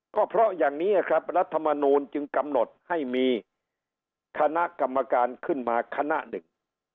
ก็เพราะอย่างนี้ครับรัฐมนูลจึงกำหนดให้มีคณะกรรมการขึ้นมาคณะหนึ่ง